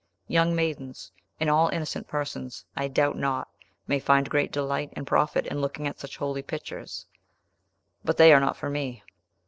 Young maidens, and all innocent persons, I doubt not, may find great delight and profit in looking at such holy pictures. But they are not for me."